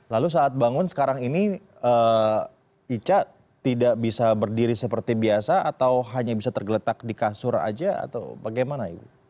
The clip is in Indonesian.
lalu saat bangun sekarang ini ica tidak bisa berdiri seperti biasa atau hanya bisa tergeletak di kasur aja atau bagaimana ibu